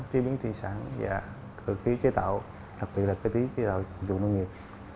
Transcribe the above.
chế biến thị sản và thực tế chế tạo đặc biệt là thực tế chế tạo dụng nông nghiệp